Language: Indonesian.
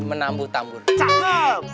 menambu tambur cakep